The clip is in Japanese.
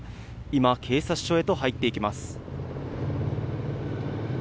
今、警察署へと入っていきます。